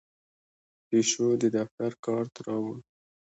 پیشو د دفتر کارت راوړ.